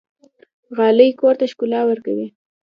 غالۍ کور ته ښکلا ورکوي.